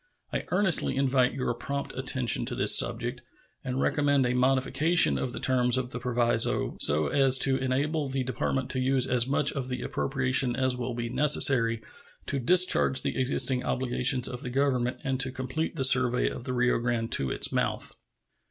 I earnestly invite your prompt attention to this subject, and recommend a modification of the terms of the proviso, so as to enable the Department to use as much of the appropriation as will be necessary to discharge the existing obligations of the Government and to complete the survey of the Rio Grande to its mouth.